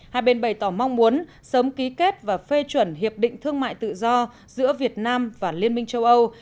hai bên bày tỏ mong muốn sớm ký kết và phê chuẩn hiệp định thương mại tự do giữa việt nam và liên minh châu âu